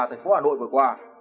thành phố hà nội vừa qua